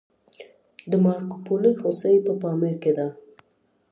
د مارکوپولو هوسۍ په پامیر کې ده